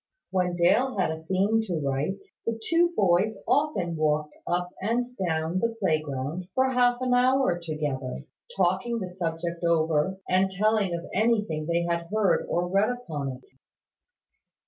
When Dale had a theme to write, the two boys often walked up and down the playground for half an hour together, talking the subject over, and telling of anything they had heard or read upon it.